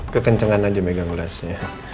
kekencengan aja megang ulasnya